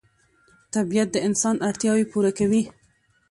طبیعت د انسان اړتیاوې پوره کوي